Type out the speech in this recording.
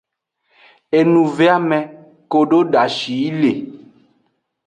Enuveame kodo dashi yi le.